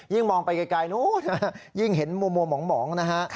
มองไปไกลนู้นยิ่งเห็นมัวหมองนะฮะ